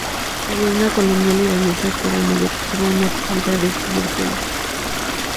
Había una colonia Libanesa que era muy activa en actividades comerciales.